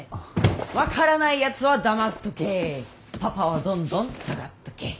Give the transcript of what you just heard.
分からない奴は黙っとけパパはどんどん尖っとけ